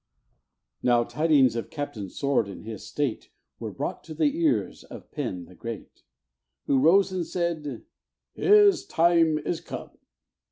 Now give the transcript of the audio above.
Now tidings of Captain Sword and his state Were brought to the ears of Pen the Great, Who rose and said, "His time is come."